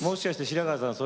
白川さん